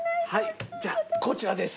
はいじゃあこちらです。